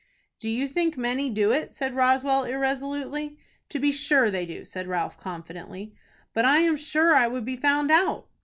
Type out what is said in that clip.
"Do you think many do it?" said Roswell, irresolutely. "To be sure they do," said Ralph, confidently. "But I am sure it would be found out."